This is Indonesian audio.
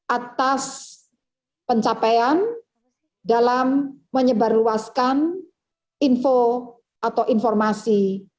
atas pencapaian dalam menyebarluaskan info atau informasi